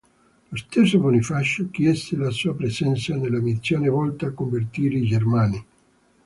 Lo stesso Bonifacio chiese la sua presenza nella missione volta a convertire i Germani.